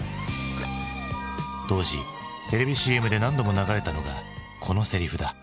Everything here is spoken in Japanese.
当時テレビＣＭで何度も流れたのがこのセリフだ。